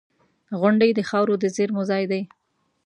• غونډۍ د خاورو د زېرمو ځای دی.